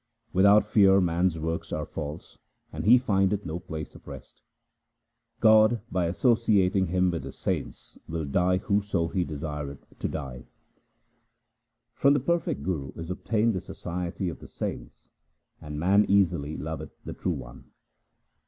Without fear man's works are false, and he findeth no place of rest. God by associating him with the saints will dye whoso He desireth to dye. O 2 196 THE SIKH RELIGION From the perfect Guru is obtained the society of the saints, and man easily loveth the True One.